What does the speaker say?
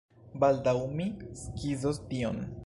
Baldaŭ mi skizos tion!